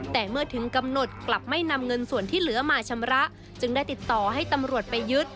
แต่เมื่อถึงกำหนดกลับไม่นำเงินส่วนที่เหลือมาชำระจึงได้ติดต่อให้ตำรวจไปยึด